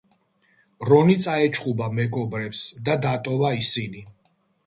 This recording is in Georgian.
რონი წაეჩხუბა მეგობრებს და დატოვა ისინი.